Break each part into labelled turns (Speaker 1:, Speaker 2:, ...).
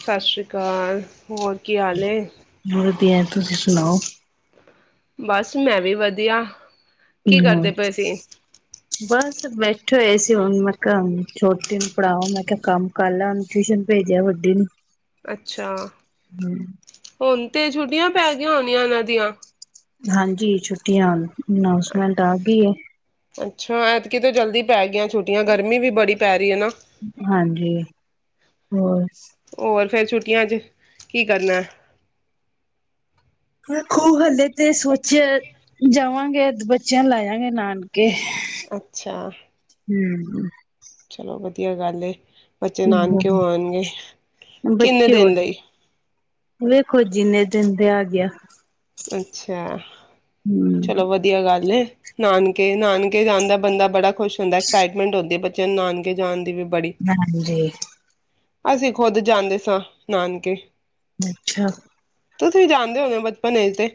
Speaker 1: ਸਤਿ ਸ਼੍ਰੀ ਅਕਾਲ ਹੋਰ ਕੀ ਹਾਲ ਏ।
Speaker 2: [unintelligible] ਵਧੀਆ ਤੁਸੀਂ ਸੁਣਾਓ।
Speaker 1: ਬਸ, ਮੈਂ ਵੀ ਵਧੀਆ। ਕੀ
Speaker 2: ਹੋਰ
Speaker 1: ਕਰਦੇ ਪਏ ਸੀ
Speaker 2: ਬਸ ਬੈਠੇ ਹੋਏ ਸੀ ਹੁਣ ਮੈਂ ਕਿਹਾ ਛੋਟੀ ਨੂੰ ਪੜਾਵਾ। ਮੈਂ ਕਿਹਾ ਕੰਮ ਕਰ ਲਾਂ ਟਿਊਸ਼ਨ ਭੇਜਿਆ ਵੱਡੀ ਨੂੰ।
Speaker 1: ਅੱਛਾ, ਹੁਣ ਤੇ ਛੁੱਟੀਆਂ ਪੈ ਗਈਆਂ ਹੋਣੀਆਂ ਨੇ। ਦੀਆਂ
Speaker 2: ਹਾਂਜੀ ਛੁੱਟੀਆਂ। ਅਨਾਉਂਸਮੈਂਟ ਆ ਗਈ ਏ।
Speaker 1: ਅੱਛਾ, ਐਦਕੀ ਤੇ ਜਲਦੀ ਪੈ ਗਿਆ ਛੁੱਟੀਆਂ ਗਰਮੀ ਵੀ ਬੜੀ ਪੈ ਰਹੀ ਹੈ ਨਾ
Speaker 2: ਹਾਂਜੀ। ਹੋਰ
Speaker 1: ਹੋਰ ਫਿਰ ਛੁੱਟੀਆਂ 'ਚ ਕੀ ਕਰਨਾ
Speaker 2: ਰੱਖੋ ਇਹ ਤਾਂ ਸੋਚਿਆ ਜਾਵਾਂਗੇ ਬੱਚਿਆਂ ਨੂੰ ਲੈ ਜਾਵਾਂਗੇ ਨਾਨਕੇ
Speaker 1: ਅੱਛਾ
Speaker 2: [unintelligible]
Speaker 1: ਚਲੋ ਵਧੀਆ ਗੱਲ ਏ ਬੱਚੇ ਨਾਨਕ ਕਿਉਂ ਆਉਣਗੇ
Speaker 2: ਬੱਚੇ ਹੋਰ ਵੇਖੋ ਜਿੰਨੇ ਦਿਨ
Speaker 1: ਅੱਛਾ
Speaker 2: ਹੂੰ
Speaker 1: ਚਲੋ ਵਧੀਆ ਗੱਲ ਏ ਨਾਨਕੇ ਨਾਨਕੇ ਜਾਂਦਾ ਬੰਦਾ ਖੁਸ਼ ਹੁੰਦਾ ਏ ਸਾਈਡ ਜੇ ਨਾਨਕੇ ਜਾਣ ਦੀ ਬਿਪਤਾ
Speaker 2: ਹਾਂਜੀ
Speaker 1: ਅਸੀਂ ਖੁੱਦ ਜਾਂਦੇ ਸਾਂ ਨਾਨਕੇ
Speaker 2: ਅੱਛਾ
Speaker 1: ਤੁਸੀਂ ਜਾਣਦੇ ਹੋ ਬੱਚੇ ਪ ਇਹ ਤੇ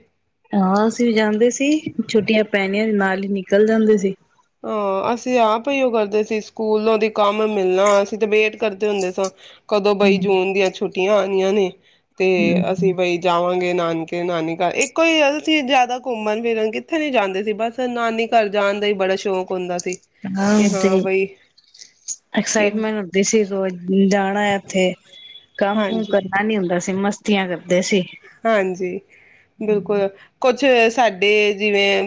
Speaker 2: ਹਾਂ ਅਸੀਂ ਵੀ ਜਾਂਦੇ ਸੀ ਛੁੱਟੀਆਂ
Speaker 1: ਹਾਂ ਅਸੀਂ ਆਪ ਹੀ ਉਹ ਕਰਦੇ ਸੀ ਸਕੂਲੋ ਕਮ ਮਿਲਣਾ ਅਸੀਂ ਤੇ ਵੇਟ ਕਰਦੇ ਹੁੰਦੇ ਸਾਂ ਕਦੋਂ ਪਈ ਜੂਨ ਦੀਆਂ ਛੁੱਟੀਆਂ ੁੀਆਂ ਆਉਣੀਆਂ ਨੇ ਤੇ ਅਸੀਂ ਬਈ ਜਾਵਾਂਗੇ ਨਾਨਕੇ ਨਾਨੀ ਘਰ ਇੱਕੋ ਹੀ ਗੱਲ ਸੀ ਜਿਆਦਾ ਸ਼ੌਕ ਹੁੰਦਾ
Speaker 2: ਹਾਂ ਬਾਈ
Speaker 1: ਕਿ
Speaker 2: ਐਕਸਾਈਟਮੈਂਟ ਦਿਸਦੀ ਹ ਰੋਜ਼ ਜਾਣਾ ਆ ਇਥੇ ਇਥੇ ਕੰਮ ਕੁਮ
Speaker 1: ਹਾਂਜੀ
Speaker 2: ਕਰਨਾ ਨੀ ਹੁੰਦਾ ਐਸੇ ਮਸਤ ਧੀਆਂ ਕਰ
Speaker 1: ਹਾਂਜੀ ਬਿਲਕੁਲ ਕਦ ਕੁਛ ਸਾਡੇ ਜਿਵੇਂ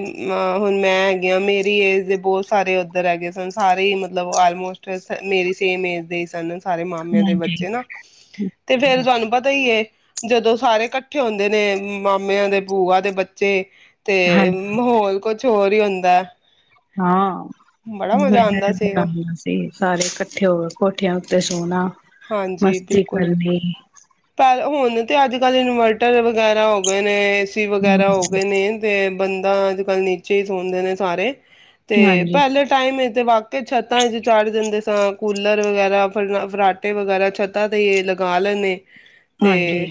Speaker 1: ਹੁਣ ਮੈ ਗਿਆ ਜਿਵੇਂ ਮੇਰੀ ਜਿਵੇਂ ਮੇਰੀ ਬਹੁਤ ਸਾਰੇ ਸਾਰੇ ਮਤਲਬ ਆਲਮੋਸਟ ਮੇਰੀ ਸੇਮ ਏਜ ਦੇ ਸਨ ਹਾਏ ਮਾਮੇ ਦੇ
Speaker 2: ਹਾਂਜੀ।
Speaker 1: ਬੱਚੇ ਤੇ ਫਿਰ ਤੁਹਾਨੂੰ ਪਤਾ ਹੀ ਹੈ ਜਦੋਂ ਸਾਰੇ ਇਕੱਠੇ ਹੁੰਦੇ ਨੇ ਮਾਮਿਆਂ ਦੇ ਭੂਆ ਦੇ ਬੱਚੇ ਤੇ
Speaker 2: ਹਾਂਜੀ
Speaker 1: ਮਾਹੌਲ ਕੁਝ ਹੋਰ ਹੀ ਹੁੰਦੇ
Speaker 2: ਹਾਂ ਮਜਾ
Speaker 1: ਸੀਗਾ
Speaker 2: ਆਉਂਦਾ ਜਦੋਂ ਸਾਰੇ ਇਕੱਠੇ ਹੁੰਦੇ ਆ ਕੋਠਿਆਂ ਉੱਤੇ ਸੋਣਾ।
Speaker 1: ਹਾਂਜੀ,
Speaker 2: ਮਸਤੀ
Speaker 1: ਬਿਲਕੁਲ
Speaker 2: ਕਰਨੀ।
Speaker 1: ਪ ਹੁਣ ਤੇ ਅੱਜ ਕੱਲ ਇਨਵਰਟਰ ਵਗੈਰਾ ਹੋ ਗਏ ਨੇ ਏ ਸੀ ਵਗੈਰਾ ਹੋ ਗਏ ਨੇ, ਤੇ ਬੰਦਾ ਅੱਜ ਕੱਲ੍ਹ ਨੀਚੇ ਹੀ ਸੌਦੇ ਨੇ ਸਾਰੇ। ਤੇ
Speaker 2: ਹਾਂਜੀ
Speaker 1: ਪਹਿਲੇ ਟਾਈਮ ਤੇ ਵਕੀ ਛੱਤਾਂ ਵਿੱਚ ਚੜ ਜਾਂਦੇ ਸਾਂ, ਕੂਲਰ ਵਗੈਰਾ ਫ ਫਰਾਟ ਆੱਟੇ ਵਗੈਰਾ ਛੱਤਾਂ ਤੇ ਇਹ ਲਗਾ ਲੈਨੇ। ਤੇ
Speaker 2: ਹਾਂਜੀ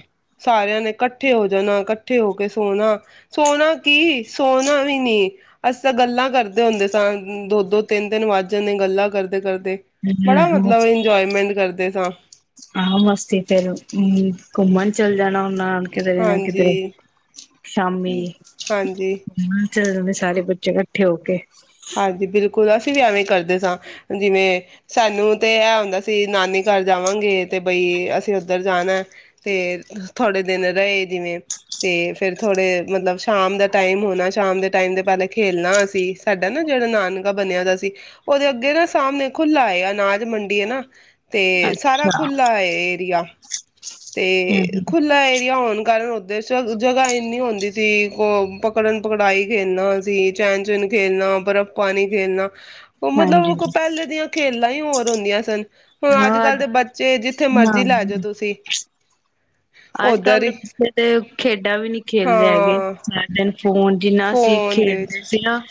Speaker 1: ਸਾਰਿਆਂ ਨੇ ਇਕੱਠੇ ਹੋ ਜਾਣਾ, ਇਕੱਠੇ ਹੋ ਕੇ ਸੋਣਾ, ਸੋਣਾ ਕੀ, ਸੋਣਾ ਵੀ ਨੀ ਅਸੀਂ ਤਾਂ ਗੱਲਾਂ ਕਰਦੇ ਹੁੰਦੇ ਸਨ, ਦੋ- ਦੋ, ਤਿੰਨ- ਤਿੰਨ ਵੱਜ ਜਾਂਨੇ ਗੱਲਾਂ ਕਰਦੇ-ਕਰਦੇ। ਬੜਾ ਮਤਲਬ, ਇੰਜੋਏਮੈਂਟ ਕਰਦੇ ਤੇ ਤਾਂ
Speaker 2: ਆਹੋ, ਮਸਤੀ ਫੇਰ ਘੁੰਮਣ ਚਲ ਜਾਣਾ ਹੁੰਨਾ, ਕਿਧਰੇ ਨਾ
Speaker 1: ਹਾਂਜੀ
Speaker 2: ਕਿਧਰੇ, ਸ਼ਾਮੀ
Speaker 1: ਹਾਂਜੀ
Speaker 2: ਚਲੇ ਜਾਂਦੇ ਸਾਰੇ ਬੱਚੇ ਘ ਕੱਠੇ ਹੋਕੇ।
Speaker 1: ਹਾਂਜੀ, ਬਿਲਕੁਲ। ਕੁਲ ਅਸੀਂ ਵੀ ਐਵੇਂ ਕਰਦੇ ਸਾਂ, ਹਨਾ ਜਿਵੇਂ ਸਾਨੂੰ ਤੇ ਇਹ ਹੁੰਦਾ ਸੀ, ਨਾਨੀ ਘਰ ਜਾਵਾਂਗੇ, ਤੇ ਬਈ ਅਸੀਂ ਉੱਧਰ ਜਾਣਾ, ਤੇ ਥੋੜੇ ਦਿਨ ਰਹੇ ਜਿਵੇਂ, ਤੇ ਫੇਰ ਥੋੜੇ ਮਤਲਬ ਸ਼ਾਮ ਦਾ ਟਾਈਮ ਹੋਣਾ, ਸ਼ਾਮ ਦੇ ਟਾਈਮ ਦੇ ਪਹਿਲਾਂ ਖੇਲਣਾ ਅਸੀਂ, ਸਾਡਾ ਨਾ ਜਿਹੜਾ ਨਾਨਕਾ ਬਣਿਆ ਦਾ ਸੀ, ਉਹਦੇ ਅੱਗੇ ਨਾ ਸਾਹਮਣੇ ਖੁਲਾ ਸੀ, ਅਨਾਜ ਮੰਡੀ ਹੈ ਨਾ ਅਤੇ ਸਾਰਾ
Speaker 2: ਅੱਛਾ।
Speaker 1: ਖੁੱਲ੍ਹਾ ਹੈ। ਤੀਆ,
Speaker 2: ਹੂੰ,
Speaker 1: ਅਤੇ ਖੁੱਲ੍ਹਾ ਏਰੀਆ ਹੋਣ ਕਾਰਨ ਉਦੇਸ਼ ਜਗ੍ਹਾ ਇੰਨੀ ਹੁੰਦੀ ਸੀ, ਕੋ ਪਕੜਨ-ਪਕੜਾਈ ਖੇਲਣਾ ਅਸੀ, ਚੈਨ-ਚੈਨ ਖੇਲਣਾ, ਬਰਫ਼-ਪਾਣੀ ਖੇਲਣਾ। ਉਹ ਮਤਲਬ
Speaker 2: ਹਾਂਜੀ
Speaker 1: ਉਹ ਕੋ ਪਹਿਲੇ ਦੀਆਂ ਖੇਲ ਪਾਂ ਹੀ ਹੋਰ ਹੁੰਦੀਆਂ ਸਨ। ਹੁਣ ਅੱਜ
Speaker 2: ਹਾਂ
Speaker 1: ਕੱਲ ਦੇ ਬੱਚੇ, ਜਿੱਥੇ ਮਰਜ਼ੀ ਲੈ ਜਾਓ ਤੁਸੀਂ
Speaker 2: ਅੱਜ
Speaker 1: ਓਧਰ
Speaker 2: ਕੱਲ ਦੇ
Speaker 1: ਹੀ
Speaker 2: ਬੱਚੇ ਤੇ ਖੇਡਾਂ ਵੀ ਨਹੀਂ ਖੇਡਦੇ ਹੈਗੇ,
Speaker 1: ਹਾਂ
Speaker 2: ਸਾਰੇ ਦਿਨ ਫੋਨ, ਜਿੰਨਾ ਅਸੀਂ
Speaker 1: ਫੋਨ ਦੇ ਵਿੱਚ
Speaker 2: ਖੇਡਦੇ ਸੀ ਨਾ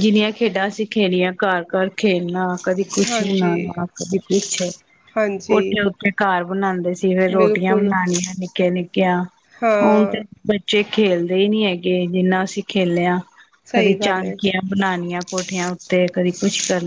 Speaker 2: ਜਿੰਨੀਆਂ ਖੇਡਾਂ ਅਸੀਂ ਖੇਲੀਆਂ ਘਰ-ਘਰ ਖੇਲਣਾ। ਕਦੀ ਕੁਛ ਵੀ
Speaker 1: ਹਾਂਜੀ
Speaker 2: ਬਨਾਨਾ, ਕਦੀ ਕੁਛ,
Speaker 1: ਹਾਂਜੀ
Speaker 2: ਕੋਠੇ ਉੱਤੇ ਘਰ ਬਣਾਦੇ ਸੀ। ਸੀ ਫਿਰ ਰੋ
Speaker 1: ਬਿਲਕੁਲ
Speaker 2: ਬਣਾਣੀਆਂ। ਮੈਕੈਨਿਕ ਕਿਆ ਹੁਣ ਤੇ
Speaker 1: ਹਾਂ
Speaker 2: ਬੱਚੇ ਖੇਲਦੇ ਹੀ ਨਹੀਂ ਹੈਗੇ, ਜਿੰਨਾ ਅਸੀਂ ਖੇਲਿਆ। ਕਦੇ
Speaker 1: ਸਹੀ ਗੱਲ ਹੈ
Speaker 2: ਝਾਕੀਆਂ ਬਣਾਣੀਆਂ। ਕੋਠਿਆਂ ਉੱਤੇ ਕਦੀ ਕੁੱਛ ਕਰ,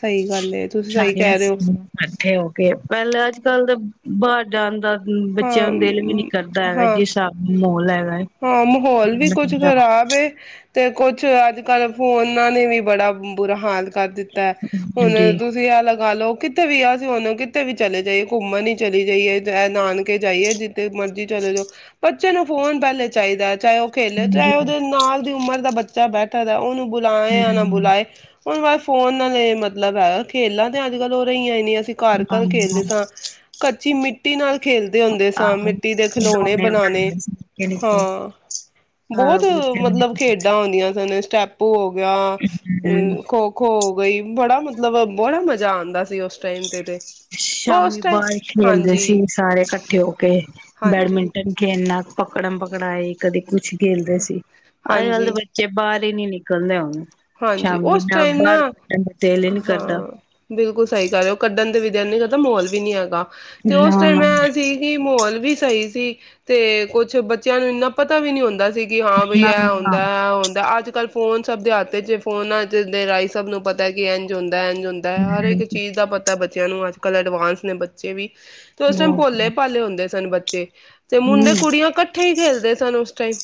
Speaker 1: ਸਹੀ ਗੱਲ ਹੈ ਤੁਸੀਂ ਸਹੀ
Speaker 2: ਸਾਰੀਆਂ
Speaker 1: ਕਹਿ ਰਹੇ ਹੋ
Speaker 2: [inaudible] ਇਕੱਠੇ ਹੋ ਕੇ ਪਹਿਲੇ ਅੱਜ ਕੱਲ ਦੇ ਬਾਹਰ ਜਾਣ ਦਾ, ਬੱਚਿਆਂ ਨੂੰ ਦਿਲ ਵੀ ਨੀ ਕਰਦਾ
Speaker 1: ਹਾਂ
Speaker 2: ਹੈਗਾ,
Speaker 1: ਹਾਂ
Speaker 2: ਜਿਸ ਹਿਸਾਬ ਨਾਲ ਮਾਹੌਲ ਹੈਗਾ ਐ।
Speaker 1: ਹਾਂ ਮਾਹੌਲ ਵੀ ਕੁੱਝ ਖ਼ਰਾਬ ਏ ਤੇ ਕੁਛ ਅੱਜ ਕੱਲ੍ਹ ਫੋਨਾਂ ਨੇ ਵੀ ਬੜਾ ਬੁਰਾ ਹਾਲ, ਕਰ ਦਿੱਤਾ ਹੈ, ਹੁਣ
Speaker 2: ਹਾਂਜੀ
Speaker 1: ਤੁਸੀਂ ਆ ਲਗਾ ਲਓ। ਕਿੱਥੇ ਵੀ ਅਸੀਂ ਹੁਣ ਕਿੱਥੇ ਵੀ ਚਲੇ ਜਾਈਏ ਘੁੰਮਣ ਹੀ ਚਲੀ ਜਾਈਏ ਨਾਨਕੇ ਜਾਈਏ ਜਿੱਥੇ ਮਰਜ਼ੀ ਚਲੇ ਜਾਓ, ਬੱਚੇ ਨੂੰ ਫੋਨ ਪਹਿਲੇ ਚਾਹੀਦਾ, ਚਾਹੇ ਉਹ ਖੇਲੇ
Speaker 2: ਹਾਂਜੀ
Speaker 1: ਚਾਹੇ ਉਹਦੇ ਨਾਲ ਦੀ ਉਮਰ ਦਾ ਬੱਚ ਚਾਹੇ ਬੈਠਾ ਦਾ ਉਹਨੂੰ ਬੁਲਾਏ ਜਾਂ ਨਾ ਬੁਲਾਏ, ਹੁਣ ਬਸ ਫੋਨ ਨਾਲ ਇਹ ਮਤਲਬ ਹੈਗਾ, ਖੇਲਾਂ ਤੇ ਅੱਜ ਕੱਲ ਹੋ ਰਹੀਆਂ ਈ ਨਹੀਂ। ਅਸੀਂ ਘਰ-ਘਰ,
Speaker 2: ਹਮ
Speaker 1: ਖੇਲਦੇ
Speaker 2: ਹਾਂ
Speaker 1: ਸਾਂ ਕੱਚੀ ਮਿੱਟੀ ਟੀ ਨਾਲ, ਖੇਲਦੇ ਹੁੰਦੇ, ਸਾਂ
Speaker 2: ਆਹੋ
Speaker 1: ਮਿੱਟੀ ਦੇ ਖਿਲੌਣੇ
Speaker 2: ਖਿਡੌਣੇ
Speaker 1: ਬਣਾਉਣੇ।
Speaker 2: ਬਣਾਉਂਦੇ ਸੀ ਨਿੱਕੇ ਨਿੱਕੇ
Speaker 1: ਹਾਂ
Speaker 2: ਸਾਰਾ
Speaker 1: ਬਹੁਤ
Speaker 2: ਕੁਛ
Speaker 1: ਮਤਲਬ ਖੇਡਾਂ ਹੁੰਦੀਆਂ ਸਨ ਸਟੈਪ ਭੋ,
Speaker 2: ਹਮ
Speaker 1: ਹੂੰ, ਖੋ-ਖੋ ਹੋ ਗਈ ਬੜਾ ਮਤਲਬ, ਮਤਲਬ ਵਾਲਾ ਮਜ਼ਾ ਆਦਾ ਸੀ ਉਸ ਟਾਈਮ ਤੇ ਤੇ ਉਸ
Speaker 2: ਸ਼ਾਮੀ
Speaker 1: ਟਾਈਮ
Speaker 2: ਬਾਹਰ ਖੇਲਦੇ
Speaker 1: ਹਾਂਜੀ
Speaker 2: ਸੀ, ਸਾਰੇ ਇਕੱਠੇ ਹੋ ਕੇ
Speaker 1: ਹਾਂਜੀ
Speaker 2: ਬੈਡਮਿੰਟਨ ਖੇਲਣਾ ਪਕੜਨ ਪਕੜਾਈ ਕਦੇ ਕੁਛ, ਖੇਲਦੇ ਸੀ ਅੱਜ ਕੱਲ੍ਹ ਦੇ
Speaker 1: ਹਾਂਜੀ
Speaker 2: ਬੱਚੇ ਬਾਹਰ, ਨੀ ਨਿਕਲਦੇ ਹੁਣ,
Speaker 1: ਹਾਂਜੀ,
Speaker 2: ਸ਼ਾਮੀ
Speaker 1: ਉਸ ਟਾਈਮ ਨਾ
Speaker 2: ਬਾਹਰ ਕੱਢਣ ਦਾ ਦਿਲ ਹੀ ਨੀ ਕਰਦਾ
Speaker 1: ਹਾਂ ਬਿਲਕੁਲ ਸਹੀ ਗੱਲ ਹੈ, ਉਹ ਕੱਢਣ ਦੇ ਵੀ, ਦਿਲ ਨਹੀਂ ਕਰਦਾ ਮਾਹੌਲ ਵੀ ਨੀ ਹੈਗਾ। ਤੇ ਉਸ
Speaker 2: ਨਾ
Speaker 1: ਟਾਈਮ
Speaker 2: ਨਾ
Speaker 1: ਮੈਂ ਸੀਗੀ ਮਾਹੌਲ ਵੀ, ਸਹੀ ਸੀ, ਤੇ ਕੁੱਛ ਬੱਚਿਆਂ ਨੂੰ ਇੰਨਾ ਪਤਾ ਵੀ ਨੀ ਹੁੰਦਾ ਸੀ। ਕਿ ਹਾਂ ਬਈ
Speaker 2: ਨਾ
Speaker 1: ਇਹ
Speaker 2: ਨਾ
Speaker 1: ਹੁੰਦਾ ਏ ਹੁੰਦਾ ਅੱਜ, ਕੱਲ ਫੋਨ ਸਭ ਦੇ ਹੱ ਫੋਨਾਂ ਚ ਦੇ ਰਾਹੀਂ ਸਭ ਨੂੰ ਪਤਾ ਕਿ ਇੰਝ ਹੁੰਦਾ। ਇੰਝ ਹੁੰਦਾ ਹੈ, ਹਰ ਇੱਕ
Speaker 2: ਹਮ,
Speaker 1: ਚੀਜ਼ ਦਾ ਪਤਾ ਬੱਚਿਆਂ ਨੂੰ ਅੱਜ, ਅੱਜ ਕੱਲ੍ਹ ਐਡਵਾਂਸ ਨੇ ਬੱਚੇ ਵੀ, ਤੇ ਉਸ ਟਾਈਮ
Speaker 2: ਬਹੁਤ
Speaker 1: ਭੋਲੇ ਭਾਲੇ ਹੁੰਦੇ ਸਨ, ਬੱਚੇ ਤੇ ਮੁੰਡੇ
Speaker 2: ਹਮ
Speaker 1: ਕੁੜੀਆਂ ਇਕੱਠੇ ਹੀ ਖੇਲਦੇ ਸਨ, ਉਸ ਟਾਈਮ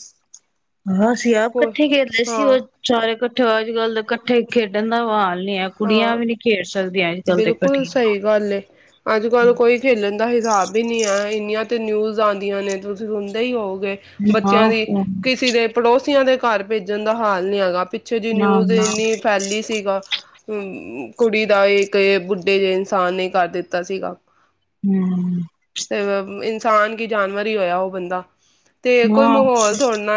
Speaker 2: ਹਾਂ ਅਸੀ ਆਪ
Speaker 1: ਕੋ
Speaker 2: ਇਕੱਠੇ ਕਰਦੇ ਸੀ,
Speaker 1: ਹਾਂ
Speaker 2: ਉਹ ਚਾਰੇ ਇਕੱਠੇ ਅੱਜ ਕੱਲ ਤਾਂ ਇਕੱਠੇ ਖੇਡਣ ਦਾ ਆਵਾ
Speaker 1: ਹਾਂ
Speaker 2: ਤੇ
Speaker 1: ਬਿਲਕੁਲ
Speaker 2: ਇਕੱਠੀਆਂ
Speaker 1: ਸਹੀ ਗੱਲ ਅੱਜ ਕੱਲ ਕੋਈ ਖੇਲਣ, ਦਾ ਹਿਸਾਬ ਹੀ ਨਹੀਂ ਹੈ, ਇੰਨੀਆਂ ਤੇ ਨਿਊਜ਼ ਆਦੀਆਂ ਨੇ ਤੁਸੀਂ ਸੁਣਦੇ ਹੀ ਹੋਗੇ। ਬੱਚਿਆਂ ਦੀ
Speaker 2: ਨਾ
Speaker 1: ਕਿਸੀ ਦੇ ਪੜੋਸ ਕੀਆਂ ਦੇ ਘਰ ਭੇਜਣ ਦਾ ਹਾਲ ਨੀ ਹੈਗਾ। ਪਿੱਛੇ ਜੀ
Speaker 2: ਨਾ
Speaker 1: ਨਿਊਜ਼
Speaker 2: ਨਾ
Speaker 1: ਇੰਨੀ ਫੈਲੀ ਸੀਗਾ ਹਮ, ਕੁੜੀ ਦਾ ਇੱਕ ਬੁੱਢੇ ਜਿਹੇ ਇਨਸਾਨ ਨੇ ਕਰ ਦਿੱਤਾ ਸੀਗਾ।
Speaker 2: ਹਮ
Speaker 1: ਅਸਾਂ ਬ ਇ ਇਨਸਾਨ ਕਿ ਜਾਨਵਰ ਹੀ ਹੋਇਆ ਉਹ ਬੰਦਾ ਤੇ ਕੋਈ
Speaker 2: ਹਾਂ
Speaker 1: ਮਾਹੌਲ ਥੋੜ ਨਾ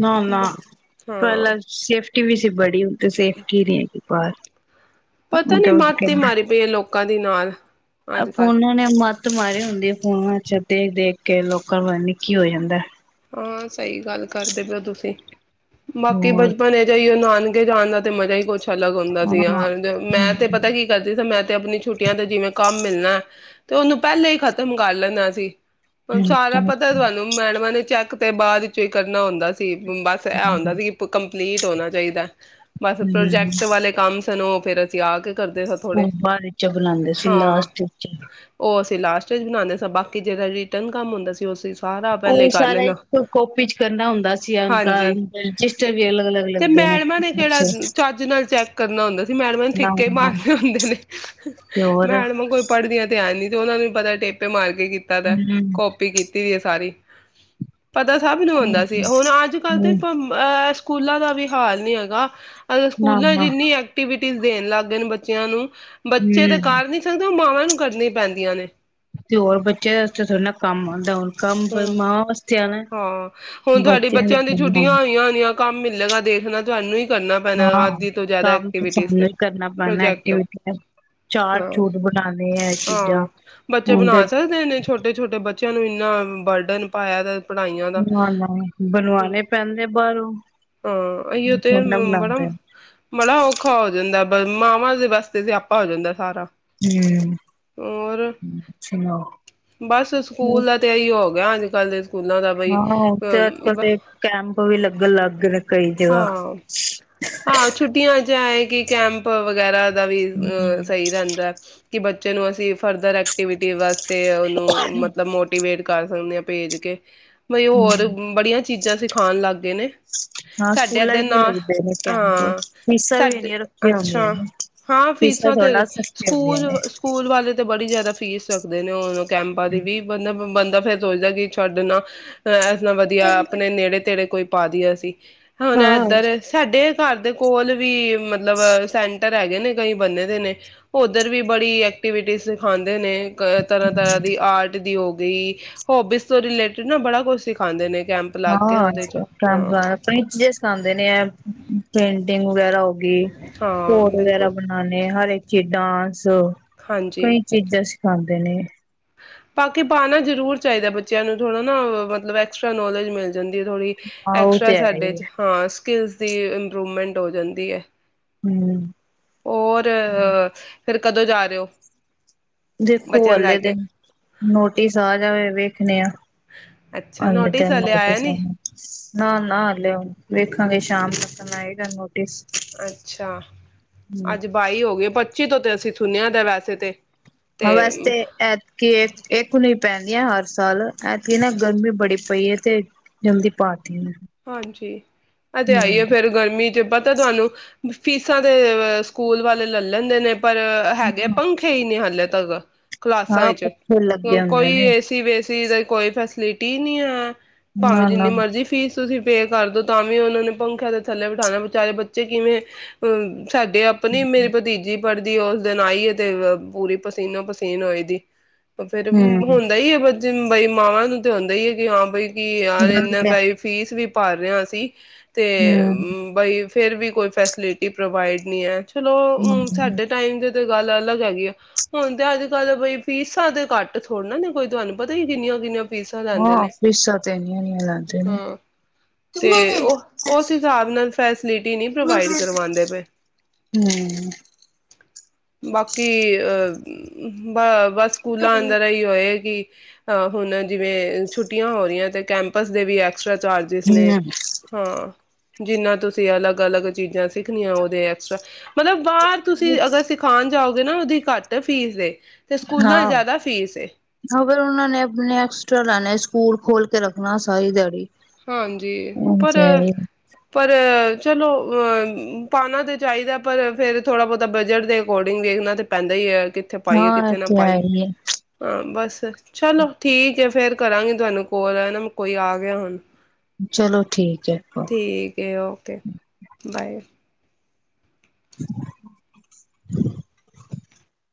Speaker 2: ਨਾ
Speaker 1: ਬਈ ਹਾਂ।
Speaker 2: ਟੀ ਵੀ ਸਿ ਬੜੀ ਤੇ ਸੇਫਟੀ ਨੀਂ ਹੈਗੀ ਪਰ
Speaker 1: ਪਤਾ ਨੀ ਮਤ ਈ ਮਾਰੀ ਪਈ ਐ ਲੋਕਾਂ ਦੀ ਦੀ ਨਾਲ।
Speaker 2: ਏ
Speaker 1: ਅੱਜ ਕੱਲ੍ਹ।
Speaker 2: ਫੋਨੋਂ ਨੇ ਮੱਤ ਮਾਰੀ ਹੁੰਦੀ ਐ ਫੋਨਾਂ ਚ ਦੇਖ-ਦੇਖ ਕੇ ਲੋਕਾਂ ਪਤਾ ਨੀਂ ਕੀ ਹੋ ਜਾਂਦਾ।
Speaker 1: ਹਾਂ, ਸਹੀ ਗੱਲ ਕਰਦੇ ਪਓ ਤੁਸੀਂ। ਬਾਕੀ
Speaker 2: ਹੋਰ
Speaker 1: ਬਚਪਨ ਇਹ ਜਿਹੀ ਉਹ ਨਾਨ ਅਗੇ ਜਾਣ ਦਾ ਤੇ ਮਜ਼ਾ ਈ ਕੁੱਛ ਅੱਛਾ ਅਲੱਗ ਹੁੰਦਾ ਸੀਗਾ
Speaker 2: ਹਾਂ
Speaker 1: ਮੈਂ ਤੇ ਪਤਾ
Speaker 2: ਹਮ
Speaker 1: ਕੀ ਕਰਦੀ ਸੀ ਮੈਂ ਤੇ ਆਪਣੀ ਛੁੱਟੀਆਂ ਤੇ ਜਿਵੇਂ ਕੰਮ ਮਿਲਣਾ ਤੇ ਉਹਨੂੰ ਪਹਿਲੇ ਹੀ ਖ਼ਤਮ ਕਰ ਲੈਂਦਾ ਸੀ। ਸਾਰਾ ਪਤਾ ਤੁਹਾਨੂੰ ਮੈਡਮਾਂ ਨੇ ਚੈੱਕ ਤੇ ਬਾਅਦ ਵਿਚੋਂ ਈ ਕਰਨਾ ਹੁੰਦਾ ਸੀ। ਬਸ ਇਹ ਔਂਦਾ ਸੀ ਕਿ ਕੰ ਕੰਪਲੀਟ ਹੋਣਾ ਚਾਹੀਦਾ। ਬਸ
Speaker 2: ਹਮ,
Speaker 1: ਪ੍ਰੋਜੈਕਟ ਵਾਲੇ ਕੰਮ ਸਨੋ ਫਿਰਰਸੀ ਆ ਕੇ ਕਰਦੇ ਸ ਥੋੜੇ
Speaker 2: ਬਾਦ ਇੱਚ ਬਣਾਉਂਦੇ ਸੀ ਲਾਸਟ ਇੱਚ
Speaker 1: ਤੇ ਲਾਸਟ ਇੱਚ ਬਣਾਉਂਦੇ ਸਾਂ ਬਾਕੀ ਜਿਹੜਾ ਰਿਟਰਨ ਕੰਮ ਹੁੰਦਾ ਸੀ, ਉ ਅਸੀਂ ਸਾਰਾ
Speaker 2: ਉਹ
Speaker 1: ਪਹਿਲੇ ਕਰ
Speaker 2: ਸਾਰਾ
Speaker 1: ਲੈਣਾ।
Speaker 2: ਇੱਕ ਕਾਪੀ ਚ ਕਰਨਾ ਹੁੰਦਾ ਸੀ ਉਨ੍ਹਾਂ
Speaker 1: ਹਾਂਜੀ
Speaker 2: ਰਜਿਸਟਰ ਵੀ ਅਲੱਗ ਅਲੱਗ
Speaker 1: ਤੇ
Speaker 2: ਲੱਗਦੇ
Speaker 1: ਮੈਡਮਾਂ ਨੇ ਕਿਹੜਾ ਆ
Speaker 2: ਅੱਛਾ
Speaker 1: ਚੱਜ ਨਾਲ ਚੈੱਕ ਕਰਨਾ ਹੁੰਦਾ ਸੀ ਮੈਡਮਾਂ ਨੇ
Speaker 2: ਨਾ
Speaker 1: ਠਿੱਕੇ
Speaker 2: ਨਾ
Speaker 1: ਮਾਰਨੇ ਹੁੰਦੇ ਨੇ
Speaker 2: ਤੇ ਹੋਰ
Speaker 1: ਮੈਡਮਾਂ ਕੋਈ ਪੜ੍ਹਦੀਆਂ ਤੇ ਐਂ ਨੀਂ ਤੇ ਉਹਨਾਂ ਨੂੰ ਪਤਾ ਟੇਪੇ ਮਾਰ ਕੇ ਕੀਤਾ ਦਾ,
Speaker 2: ਹਮ
Speaker 1: ਕਾੱਪੀ ਕੀਤੀ ਦੀ ਐ ਸਾਰੀ। ਪਤਾ ਸਭ ਨੂੰ
Speaker 2: ਹਮ
Speaker 1: ਹੁੰਦਾ ਸੀ। ਹੁਣ ਅੱਜ ਕੱਲ੍ਹ ਤੇ
Speaker 2: ਹਮ
Speaker 1: ਪਮ ਅਸ ਸਕੂਲਾਂ ਦਾ ਵੀ ਹਾਲ ਨੀ ਹੈਗਾ ਅਗਰ ਸਕੂਲਾਂ
Speaker 2: ਨਾ-ਨਾ
Speaker 1: ਚ ਇੰਨੀ ਐਕਟੀਵਿਟੀ ਸ [unintelligible] ਦੇਣ ਲੱਗ ਗਏ ਨੇ ਬੱਚਿਆਂ ਨੂੰ, ਬੱਚੇ ਤਾਂ
Speaker 2: ਹੂੰ
Speaker 1: ਕਰ ਨੀ ਸਕਦੇ, ਉਹ ਮਾਵਾਂ ਨੂੰ ਕਰਨੀਆਂ ਪੈਂਦੀਆਂ ਨੇ
Speaker 2: ਤੇ ਹੋਰ ਬੱਚਿਆਂ ਵਸਤੇ ਥੋੜੀ ਨਾ ਕੰਮ ਹੁੰਦਾ ਹੁਣ। ਕੰਮ
Speaker 1: ਹੂੰ,
Speaker 2: ਮਾਵਾਂ ਵਾਸਤੇ ਆਣਾ।
Speaker 1: ਹਾਂ ਹੁਣ ਤੁਹਾਡੇ
Speaker 2: ਦੇ
Speaker 1: ਬੱਚਿਆਂ ਦੀ
Speaker 2: ਕਰਨਾ
Speaker 1: ਛੁੱਟੀਆਂ ਹੋਈਆਂ ਹੋਣੀਆਂ। ਕੰਮ ਮਿਲੇਗਾ ਦੇਖਣਾ ਤੁਹਾਨੂੰ ਹੀ ਕਰਨਾ ਪੈਣਾ
Speaker 2: ਹਾਂ
Speaker 1: ਅੱਧ ਤੋਂ ਜਿਆਦਾ
Speaker 2: ਕੰਮ ਤਾਂ
Speaker 1: ਐਕਟੀਵਿਟੀ
Speaker 2: ਸਾਨੂੰ
Speaker 1: ਤੇ
Speaker 2: ਹੀ ਕਰਨਾ ਪੈਣਾ
Speaker 1: ਪ੍ਰੋਜੈਕਟ
Speaker 2: ਐਕਟੀਵਿਟੀ ਚਾਟ ਚੂਟ ਬਣਾਣੇ ਐ ਚੀਜ਼ਾਂ
Speaker 1: ਹਾਂ-ਹਾਂ, ਬੱਚੇ
Speaker 2: ਹੁਣ ਤੇ
Speaker 1: ਬਣਾ ਸਕਦੇ ਨੇ ਛੋਟੇ-ਛੋਟੇ, ਬੱਚੇ ਚਲੋ ਇੰਨਾ ਹੁਣ ਬਰਡਨ ਪਾਇਆ ਦਾ ਪੜਾਈਆਂ ਦਾ
Speaker 2: ਬਣਵਾਣੇ ਬਣਵਾਣੇ ਪੈਂਦੇ ਬਾਹਰੋਂ
Speaker 1: ਹਾਂ ਐਇਓ ਤੇ
Speaker 2: ਥੋੜੀ ਨਾ ਬਣਾਦੇ
Speaker 1: ਬੜਾ-ਬੜਾ ਔਖਾ ਹੋ ਜਾਂਦਾ। ਮਾਵਾਂ ਦੇ ਵਾਸਤੇ ਸਿਆਪਾ ਹੋ ਜਾਂਦਾ ਸਾਰਾ।
Speaker 2: ਹੂੰ
Speaker 1: ਹੋਰ
Speaker 2: ਸੁਣਾਓ
Speaker 1: ਬਸ ਸਕੂਲ ਦਾ ਤੇ ਇਹੀ ਹੋ ਅੱਜ ਕੱਲ੍ਹ ਸਕੂਲਾਂ ਦਾ ਬਈ
Speaker 2: ਹਾਂ ਉਥ ਅੱਜ ਕਲ ਦੇ ਕੈਂਪ ਵੀ ਲੱਗਨ ਲਾਗੈ ਨੇ ਕਈ ਜਗ੍ਹਾ
Speaker 1: ਹਾਂ-ਹਾਂ ਛੁੱਟੀਆਂ ਚ ਐ ਹੈ ਕਿ ਕੈਂਪ ਵਗੈਰਾ ਦਾ ਵੀ ਅਹ ਸਹੀ ਰਹਿੰਦਾ। ਕਿ ਬੱਚੇ ਨੂੰ ਅਸੀਂ ਫਰਦਰ ਐਕਟੀਵਿਟੀ ਵਾਸਤੇ ਉਹਨੂੰ ਮਤਲਬ ਮੋਟੀਵੇਟ ਕਰ ਸਕਦੇ ਹਾਂ, ਭੇਜ ਕੇ ਨਈ ਹੋਰ ਬੜੀਆਂ ਚੀਜ਼ਾਂ ਜਾ ਸਿੱਖਾਣ ਲੱਗ ਗਏ ਨੇ।
Speaker 2: ਅੱ [inaudible]
Speaker 1: ਸਾਡੇ ਏਦੇ ਨਾਲ ਹਾਂ
Speaker 2: ਫੀਸਾਂ ਵੀ
Speaker 1: ਸਾਡੇ
Speaker 2: ਇੰਨੀਆਂ ਰੱਖੀਆਂ
Speaker 1: ਅੱਛਾ
Speaker 2: ਹੁੰਦੀਆਂ ਨੇ
Speaker 1: ਹਾਂ ਫੀਸਾਂ ਤੇ
Speaker 2: ਥੋੜਾ ਸਸਤੀਆਂ ਹੁੰਦੀਆਂ ਨੇ
Speaker 1: ਸਕੂਲ, ਸਕੂਲ ਵਾਲੇ ਤੇ ਬੜੀ ਜਾ ਜ਼ਿਆਦਾ ਫੀਸ ਰੱਖਦੇ ਨੇ ਉਹ ਕੈਂਪਾਂ ਦੀ ਵੀ ਮਤਲਬ, ਫਿਰ ਸੋਚਦਾ ਕਿ ਛੱਡ ਨਾ ਵਧੀਆ ਆਪਣੇ ਨੇੜੇ, ਤੇੜੇ ਕੋਈ ਪਾ ਦੀਆਂ ਸੀ, ਹੁਣ
Speaker 2: ਹਾਂ
Speaker 1: ਇਧਰ ਸਾਡੇ, ਘਰ ਦੇ ਕੋਲ ਵੀ, ਮਤਲਬ ਸੈਂਟਰ ਹੈਗੇ ਨੇ, ਕਈ ਬਣੇ ਦੇ ਨੇ, ਉੱਧਰ ਵੀ ਬੜੀ ਐਕਟੀਵਿਟੀ ਸਿਖਾਦੇ ਨੇ ਕਈ ਤਰ੍ਹਾਂ, ਤਰ੍ਹਾਂ ਦੀ ਆਰਟ ਦੀ ਹੋ ਦੀ ਹੋਬੀਜ਼ ਤੋਂ ਰਿਲੇਟਿਡ ਨਾ ਬੜਾ ਕੁਛ ਸਿਖਾਉਂਦੇ ਨੇ ਕੈਂਪ ਲਾ ਕੇ
Speaker 2: ਹਾਂ, ਅੱਜ
Speaker 1: ਉਹਦੇ ਚ
Speaker 2: ਕੱਲ
Speaker 1: ਹਾਂ
Speaker 2: ਕੈਪ ਜੇ ਸਿਖਾਦੇ ਨੇ ਐ, ਪੇਂਟਿੰਗ ਵਗੈਰਾ ਹੋ
Speaker 1: ਹਾਂ
Speaker 2: ਘੋਰ ਵਗੈਰਾ
Speaker 1: ਬਿਲਕੁਲ
Speaker 2: ਬਣਾਉਣ, ਹਰ ਇੱਕ ਖੇ ਡਾਂਸ
Speaker 1: ਹਾਂਜੀ
Speaker 2: ਕਈ ਚੀਜ਼ ਸਿਖਾਂ ਦਿਨੇ,
Speaker 1: ਬਾਕੀ ਪਾਣਾ ਜਰੂਰ ਚਾਹੀਦਾ, ਬੱਚਿਆਂ ਨੂੰ ਥੋੜਾ ਨਾ ਮਤਲਬ ਐਕਸਟਰਾ ਨੋਲੇਜ ਮਿਲ। ਜਾਂਦੀ ਹੈ, ਥੋੜ੍ਹੀ
Speaker 2: ਹਾਂ ਉਹ
Speaker 1: ਐਕਸਟਰਾ
Speaker 2: ਤੇ ਹੈ
Speaker 1: ਸਾਡੇ
Speaker 2: ਹੀ
Speaker 1: ਚ' ਹਾਂ ਸਕਿਲ ਦੀ ਇੰਪਰੂਵਮੈਂਟ ਹੋ ਜਾਂਦੀ ਹੈ,
Speaker 2: ਹੁੰ,
Speaker 1: ਔਰ, ਫਿਰ ਕਦੋਂ ਜਾ ਰਹੇ ਹੋ,
Speaker 2: ਦੇਖੋ
Speaker 1: ਬੱਚਿਆਂ ਨੂੰ ਲੈ
Speaker 2: ਅਲੇ ਤੇ
Speaker 1: ਕੇ
Speaker 2: ਨੋਟਿਸ ਆ ਜਾਵੇ, ਵੇਖ ਕਿਨਹੇ ਆ,
Speaker 1: ਅੱਛਾ ਨੋਟਿਸ ਹਲੇੇ ਆਇਆ ਨੀ,
Speaker 2: ਨਾ-ਨਾ, ਲ ਵੇਖਾਂਗੇ ਸ਼ਾਮ ਤੱਕ ਆਏਗਾ ਨੋਟਿਸ
Speaker 1: ਅੱਛਾ
Speaker 2: ਹੁੰ
Speaker 1: ਅੱਜ ਬਾਈ ਹੋ ਗਏ ਪੱਚੀ ਤੋਂ ਤੇ ਅਸੀਂ ਤੁਥੀਆ ਤਾਂ ਵੈਸੇ ਤੇ
Speaker 2: ਹ
Speaker 1: ਤੇ
Speaker 2: ਵਾਸਤੇ ਐਤਕੀ ਇਕ ਨੀ [unintelligible] ਪੈਂਦੀਆਂ, ਹਰ ਸਾਲ ਐਤਕੀ ਨਾ ਗਰਮੀ ਬੜੀ ਪਈ ਹੈ ਤੇ ਜਮਦੀ ਪਾ ਤੀ ਨੇ,
Speaker 1: ਹਾਂਜੀ, ਇਹ ਤਾਂ ਹੈ ਹੀ ਏ ਫ਼ੇਰ ਗਰਮੀ ਤੇ ਪਤਾ ਤੁਹਾਨੂੰ ਫੀਸਾਂ ਦੇ ਸਕੂਲ ਵਾਲੇ ਲੈ ਲੈਂਦੇ ਨੇ। ਪਰ ਹੈਗੇ ਪੰਖੇ ਹੀ ਨਹੀਂ ਹਾਲੇ ਤੱਕ। ਕਲਾਸਾਂ
Speaker 2: ਹਾਂ
Speaker 1: ਐਚ
Speaker 2: ਪੱਖੇ ਲੱਗੇ
Speaker 1: ਹੁਣ
Speaker 2: ਹੁੰਦੇ
Speaker 1: ਕੋਈ
Speaker 2: ਨੇ
Speaker 1: ਏਸੀ ਵੇ ਤਾਂ ਕੋਈ ਫੈਸਿਲਿਟੀ ਨਹੀਂ ਆ
Speaker 2: ਨਾ
Speaker 1: ਭਾਵੇਂ
Speaker 2: ਨਾ
Speaker 1: ਜਿੰਨੀ ਮਰਜ਼ੀ ਫੀਸ ਤੁਸੀਂ ਪੇ ਕਰਦੋ ਤਾਂ ਵੀ ਉਹਨਾਂ ਨੇ ਪੰਖਿਆਂ ਦੇ ਥੱਲੇ ਬਿਠਾਣਾ ਵਿਚਾਰੇ ਬੱਚੇ ਕਿਵੇਂ ਅ ਸਾਡੇ ਆਪਣੇ ਮੇਰੇ ਭਤੀਜੀ ਫੜ੍ਹਦੀ ਉਸ ਦਿਨ ਆਈਏ ਤੇ ਪੂਰੀ ਪਸੀਨੋ ਪਸੀਨ ਹੋਏ ਦੀ ਫ਼ੇਰ
Speaker 2: ਹਮ
Speaker 1: ਹੁੰਦਾ ਹੀ ਆ ਬਚ ਜੈ ਬਾਏਮਆਨ ਤੇ ਹੁੰਦਾ ਹੀ ਹੈ ਕਿ ਹਾਂ ਬਈ ਕੀ ਯਾਰ
Speaker 2: ਗੱਲ
Speaker 1: ਇੰਨਾ
Speaker 2: ਤੇ
Speaker 1: ਵੀ ਪਰ ਰੇ ਆ ਅੱਸੀ ਤੇ
Speaker 2: ਹਮ
Speaker 1: ਬਈ ਫਿਰ ਵੀ ਕੋਈ ਫੈਸਿਲਿਟੀ ਪ੍ਰੋਵਾਈਡ ਨਹੀਂ ਹੈ। ਚਲੋ ਸਾਡੇ ਟਾਈਮ ਦੇ ਤੇ ਗੱਲ ਅਲੱਗ ਹੈਗੀ ਆ। ਹੁਣ ਤੇ ਅੱਜ ਕੱਲ ਬਈ ਫੀਸਾਂ ਤੇ ਘੱਟ ਥੋੜ੍ਹਾ ਨੇ ਕੋਈ ਤੁਹਾਨੂੰ ਪਤਾ ਹੀ ਕਿੰਨੀਆਂ-ਕਿੰਨੀਆਂ
Speaker 2: ਹਾਂ ਫੀਸਾਂ ਤੇ ਲਾਂਦੇ
Speaker 1: ਹਾਂ ਤੇ ਉਹ ਉਸ ਹਿਸਾਬ ਨਾਲ ਫੈਸਿਲਿਟੀ ਨਹੀਂ ਪ੍ਰੋਵਾਡ ਕਰਵਾਉਂਦੇ ਪਏ।
Speaker 2: ਹਮ
Speaker 1: ਬਾਕੀ ਅਹ ਬ ਬਸ ਸਕੂਲਾਂ ਅੰਦਰ ਅਹੀ ਏ ਅਹ ਹੁਣ ਜਿਵੇਂ ਛੁੱ ਹੋ ਰਹੀਆਂ ਤੇ ਕੈਂਪਸ ਦੇ ਵੀ ਆ ਐਕਸਟਰਾ ਚਾਰਜਿਸ ਨੇ ਹਾਂ। ਜਿੰਨਾ ਤੁਸੀਂ ਅਲੱਗ-ਅਲੱਗ ਚੀਜ਼ਾਂ ਸਿੱਖਣੀਆਂ ਉਹਦੇ ਐਕਸਟਰਾ ਮਤਲਬ ਬਾਹਰ ਤੁਸੀਂ ਅਗਰ ਸਿਖਾਉਣ ਜਾਓਗੇ ਨਾ ਉਹਦੀ ਘੱਟ ਫੀਸ ਏ ਤੇ ਸਕੂਲਾਂ
Speaker 2: ਹਾਂ
Speaker 1: ਜ਼ਿਆਦਾ ਫੀਸ ਏ
Speaker 2: ਹ ਫਰ ਉਹਨਾਂ ਨੇ ਆਪਣੇ ਐਕਸਟ੍ਰਾ ਲੈਣੇ ਸਕੂਲ ਖੋਲ ਕੇ ਰੱਖਣਾ ਸਾਰੀ ਦਿਹਾੜੀ
Speaker 1: ਹਾਂਜੀ
Speaker 2: ਹਾਂ ਇਹ
Speaker 1: ਪਰ-ਪਰ ਚਲੋ ਪਾਨਾ ਤੇ ਚਾਹੀਦਾ ਪਰ ਫਿਰ ਥੋੜਾ ਬਹੁਤਾ ਬਜਟ ਦੇ ਅਕੋਰਡਿੰਗ ਦੇਖਣਾ ਤੇ ਪੈਂਦਾ ਹੀ ਹ ਇੱਥੇ ਪਾਈਏ ਕਿੱਥੇ ਨਾ
Speaker 2: ਤੇ ਹੈ
Speaker 1: ਪਾਈ
Speaker 2: ਹੀ ਹੈ
Speaker 1: ਚਲੋ ਠੀਕ ਹ ਫਿਰ ਕਰਾਂਗੇ ਤੁਹਾਨੂੰ ਕਾਲ ਕੋਈ ਆ ਗਿਆ ਹੁਣ
Speaker 2: ਚਲੋ ਠੀਕ ਹ
Speaker 1: ਠੀਕ ਹੈ ਓਕੇ ਬਾਏ
Speaker 2: ਗੑਰੑ